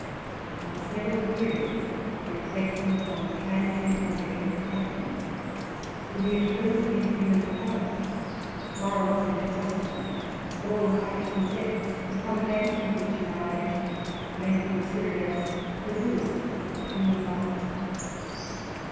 I was never weary of reflecting upon the transient nature of attach ments, the mutability of human character, moral sensuality, and all the heights and depths, the combination of which in our nature may be considered as the riddle of human life.